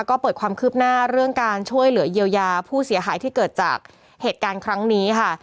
ก็เปิดความคืบหน้าเรื่องการช่วยเหลือเยียวยาผู้เสียหายที่เกิดจากเหตุการณ์ครั้งนี้ค่ะ